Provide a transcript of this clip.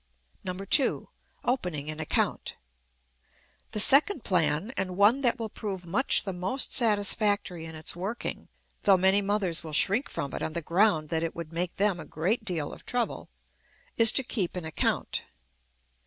2. Opening an account. The second plan, and one that will prove much the most satisfactory in its working though many mothers will shrink from it on the ground that it would make them a great deal of trouble is to keep an account.